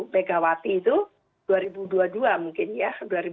megawati itu dua ribu dua puluh dua mungkin ya